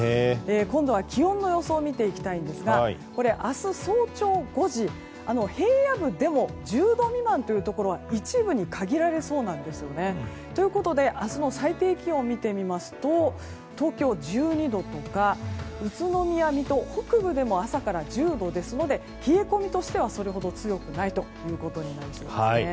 今度は、気温の予想を見ていきたいんですが明日、早朝５時平野部でも１０度未満というところは一部に限られそうなんですよね。ということで明日の最低気温を見てみますと東京は１２度とか宇都宮、水戸など北部でも朝から１０度ですので冷え込みとしてはそれほど強くないということになりそうです。